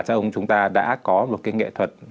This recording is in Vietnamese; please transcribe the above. chúng ta đã có một cái nghệ thuật